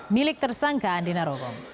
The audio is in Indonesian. milik tersangka andina robom